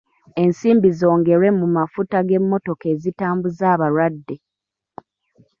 Ensimbi zongerwe mu mafuta g'emmotoka ezitambuza abalwadde.